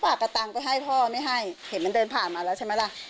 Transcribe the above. ฝากกระตังค์ไปให้พ่อไม่ให้เห็นมันเดินผ่านมาแล้วใช่ไหมล่ะ